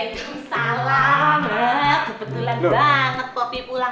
ini udah kebetulan banget popi pulang